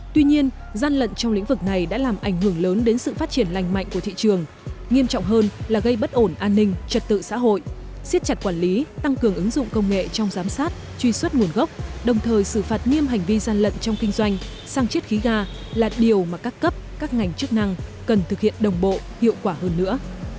tuy nhiên gian lận trong lĩnh vực này đã làm ảnh hưởng lớn đến sự phát triển lành mạnh của thị trường nghiêm trọng hơn là gây bất ổn an ninh trật tự xã hội siết chặt quản lý tăng cường ứng dụng công nghệ trong giám sát truy xuất nguồn gốc đồng thời xử phạt nghiêm hành vi gian lận trong kinh doanh sang chết khí ga là điều mà các cấp các ngành chức năng cần thực hiện đồng bộ hiệu quả hơn nữa